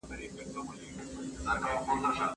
په پلي مزل کي بې ځایه لګښت نه غوښتل کېږي.